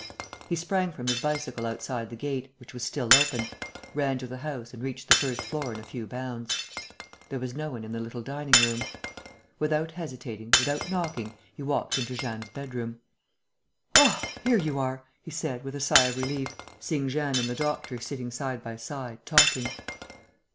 He sprang from his bicycle outside the gate, which was still open, ran to the house and reached the first floor in a few bounds. There was no one in the little dining room. Without hesitating, without knocking, he walked into Jeanne's bedroom: "Ah, here you are!" he said, with a sigh of relief, seeing Jeanne and the doctor sitting side by side, talking.